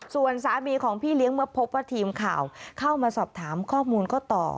ส่วนสามีของพี่เลี้ยงเมื่อพบว่าทีมข่าวเข้ามาสอบถามข้อมูลก็ต่อ